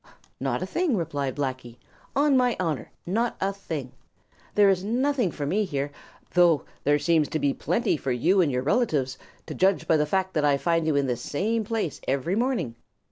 "Not a thing," replied Blacky. "On my honor, not a thing. There is nothing for me here, though there seems to be plenty for you and your relatives, to judge by the fact that I find you in this same place every morning.